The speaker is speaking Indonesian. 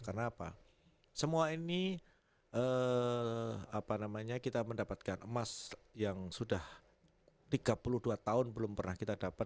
karena apa semua ini kita mendapatkan emas yang sudah tiga puluh dua tahun belum pernah kita dapet